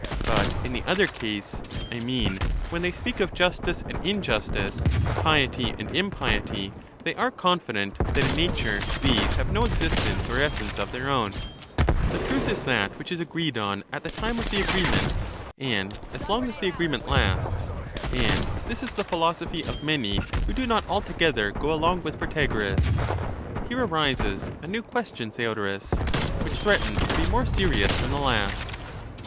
But in the other case, I mean when they speak of justice and injustice, piety and impiety, they are confident that in nature these have no existence or essence of their own — the truth is that which is agreed on at the time of the agreement, and as long as the agreement lasts ; and this is the philosophy of many who do not altogether go along with Protagoras. Here arises a new question, Theodorus, which threatens to be more serious than the last.